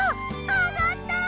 あがった！